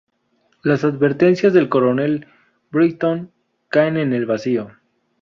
Las advertencias del coronel Brighton caen en el vacío.